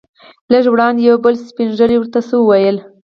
لږ وړاندې یو بل سپین ږیری ورته څه وویل.